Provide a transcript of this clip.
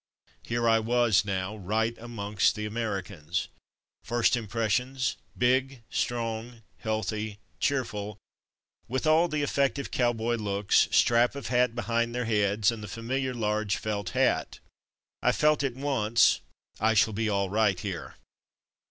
Here I was now right amongst the Americans. First impressions : big, strong, healthy, cheerful, with all the effective cowboy looks, strap of hat behind their heads, and the familiar large felt hat. I felt at once, ''I shall be all right here.''